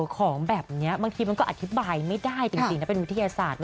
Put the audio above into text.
ของแบบนี้บางทีมันก็อธิบายไม่ได้จริงนะเป็นวิทยาศาสตร์